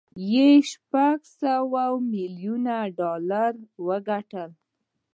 یې شپږ سوه ميليونه ډالر وګټل